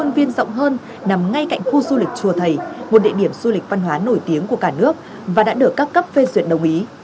viên rộng hơn nằm ngay cạnh khu du lịch chùa thầy một địa điểm du lịch văn hóa nổi tiếng của cả nước và đã được các cấp phê duyệt đồng ý